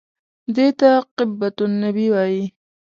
دې ته قبة النبي وایي.